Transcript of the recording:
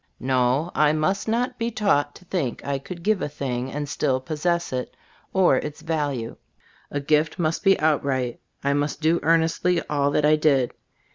"No," I must not be taught to think I could give a thing and still possess it, or its value. A gift must be outright. I must do earnestly all that I did.